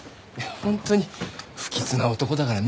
本当に不吉な男だからね。